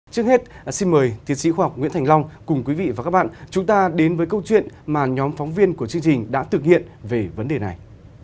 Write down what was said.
trước hết xin mời tiến sĩ khoa học nguyễn thành long cùng quý vị và các bạn chúng ta đến với câu chuyện mà nhóm phóng viên của chương trình đã thực hiện về vấn đề này